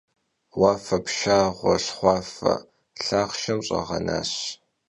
Vuafer pşşağue şxhuafe lhaxhşşem ş'iğenaş.